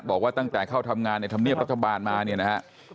บอกว่าตั้งแต่เข้าทำงานในธรรมเนียบรัฐบาลมาเนี่ยนะฮะ